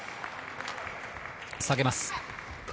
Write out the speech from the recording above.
下げます。